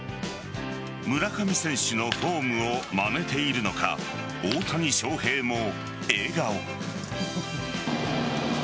村上選手のフォームをまねているのか大谷翔平も笑顔。